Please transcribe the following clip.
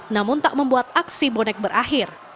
namun tak membuat aksi bonek berakhir